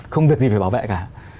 không việc gì phải bảo vệ cả